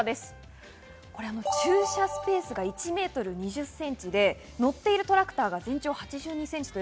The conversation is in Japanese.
駐車スペースが１ｍ２０ｃｍで乗っているトラクターが全長８２ｃｍ。